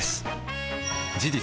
事実